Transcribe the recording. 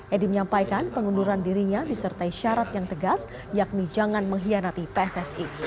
edi menyampaikan pengunduran dirinya disertai syarat yang tegas yakni jangan mengkhianati pssi